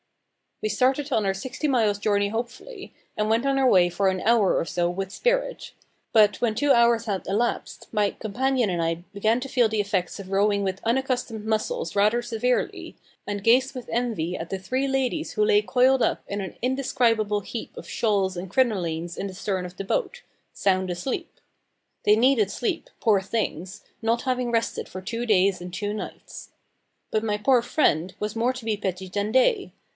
We started on our sixty miles' journey hopefully, and went on our way for an hour or so with spirit. But when two hours had elapsed, my companion and I began to feel the effects of rowing with unaccustomed muscles rather severely, and gazed with envy at the three ladies who lay coiled up in an indescribable heap of shawls and crinolines in the stern of the boat, sound asleep. They needed sleep, poor things, not having rested for two days and two nights. But my poor friend was more to be pitied than they.